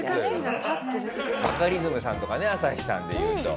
バカリズムさんとかね朝日さんで言うと。